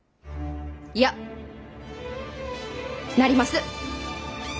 いやなります。